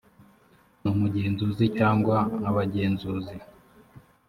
n umugenzuzi cyangwa abagenzuzi